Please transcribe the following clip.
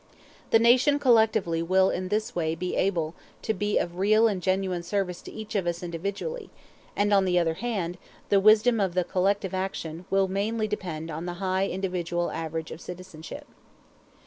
The Nation collectively will in this way be able to be of real and genuine service to each of us individually; and, on the other hand, the wisdom of the collective action will mainly depend on the high individual average of citizenship.